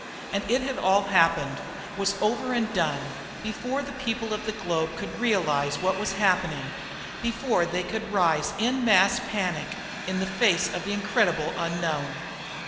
And it had all happened, was over and done, before the people of the globe could realize what was happening, before they could rise in mass panic in the face of the incredible unknown.